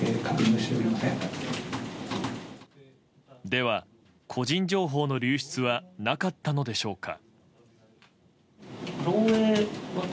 では、個人情報の流出はなかったのでしょうか。